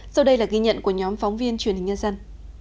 sau đây là ghi nhận của nhóm phóng viên truyền hình nhân dân